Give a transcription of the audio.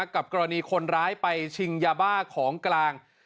กรณีคนร้ายไปชิงยาบ้าของกลาง